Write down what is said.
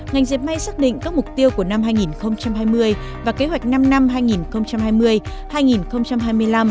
ngành diệp may xác định các mục tiêu của năm hai nghìn hai mươi và kế hoạch năm năm hai nghìn hai mươi hai nghìn hai mươi năm